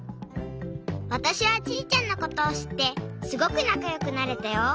わたしはちりちゃんのことをしってすごくなかよくなれたよ。